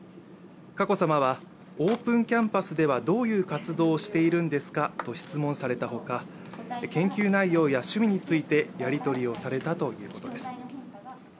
佳子さまはオープンキャンパスではどういう活動をしているんですかと質問されたほか、研究内容や趣味についてやり取りをされたということです。